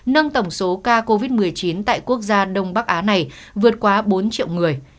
nâng tổng số ca covid một mươi chín tại quốc gia đông bắc á này vượt quá bốn triệu người